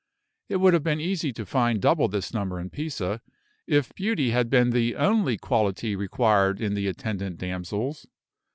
It would have been easy to find double this number in Pisa, if beauty had been the only quality required in the attendant damsels.